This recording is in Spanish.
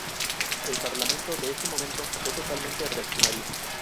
El Parlamento desde ese momento fue totalmente reaccionario.